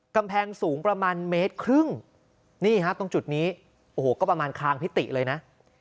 กำแพงสูงประมาณเมตรครึ่งนี่ฮะตรงจุดนี้โอ้โหก็ประมาณคางพิติเลยนะ